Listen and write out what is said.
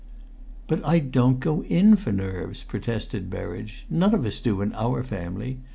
"But I don't go in for nerves," protested Berridge; "none of us do, in our family.